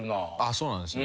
そうなんですね。